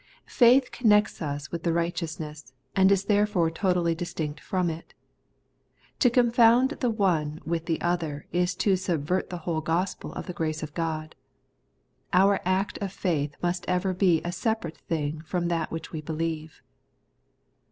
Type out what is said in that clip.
* Faith connects us with the righteous ness, and is therefore totally distinct from it. To confound the one with the other is to subvert the whole gospel of the grace of God. Our act of faith must ever be a separate thing from that which we believe.